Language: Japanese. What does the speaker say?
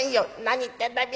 「何言ってんだい。